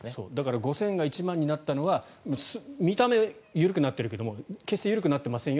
５０００が１万になったのは見た目緩くなっているけれども決して緩くなっていませんよ